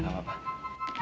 udah gak apa apa